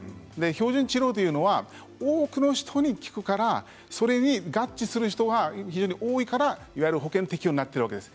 標準治療というのは多くの人に効くからそれで合致する人が非常に多いのでいわゆる保険適用になっているわけです。